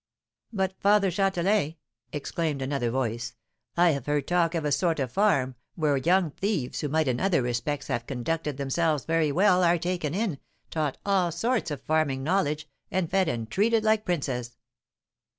"But, Father Châtelain," exclaimed another voice. "I have heard talk of a sort of farm where young thieves, who might in other respects have conducted themselves very well, are taken in, taught all sorts of farming knowledge, and fed and treated like princes."